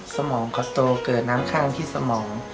สมองเขาโตเกิดน้ำข้างที่สมอง